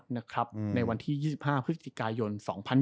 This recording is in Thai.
ในวันที่๒๕พฤศจิกายน๒๐๑๖